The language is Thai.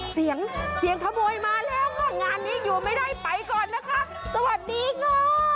เสียงเสียงขโมยมาแล้วค่ะงานนี้อยู่ไม่ได้ไปก่อนนะคะสวัสดีค่ะ